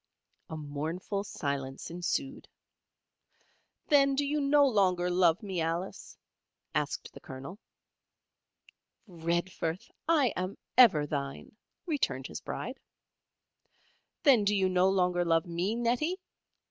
A mournful silence ensued. "Then do you no longer love me, Alice?" asked the Colonel. "Redforth! I am ever thine," returned his Bride. "Then do you no longer love me, Nettie?"